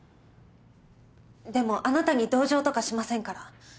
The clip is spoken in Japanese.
でもあなたに同情とかしませんから。